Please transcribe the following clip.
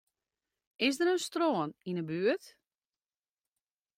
Is der in strân yn 'e buert?